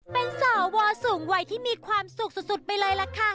เป็นสวสูงวัยที่มีความสุขสุดไปเลยล่ะค่ะ